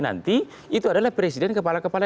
nanti itu adalah presiden kepala kepala